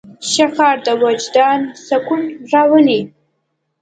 ښه کار د وجدان سکون راولي.